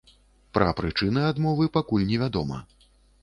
Пра прычыны адмовы пакуль невядома.